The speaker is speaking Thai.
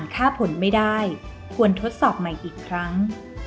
ค่าผลไม่ได้ควรทดสอบใหม่อีกครั้ง